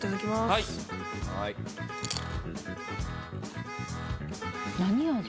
はい何味？